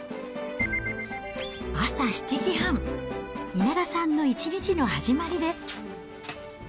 朝７時半、稲田さんの一日の始まりです。